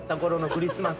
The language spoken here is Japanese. クリスマス